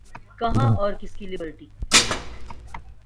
کہاں اور کس کی لبرٹی؟